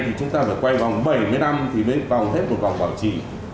thì chúng ta phải quay vòng bảy mươi năm thì mới vòng hết một vòng bảo trì